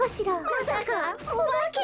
まさかおばけ！？